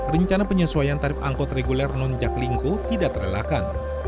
rencana penyesuaian tarif angkot reguler nonjak lingku tidak terlalakan